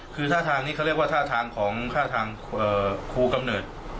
คือท่าทางนี้เขาเรียกว่าท่าทางของท่าทางครูกำเนิด